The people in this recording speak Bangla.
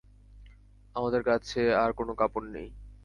আমাদের কাছে আর কোন কাপড় নেই।